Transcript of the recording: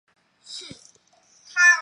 此举动对本线的影响极为深远。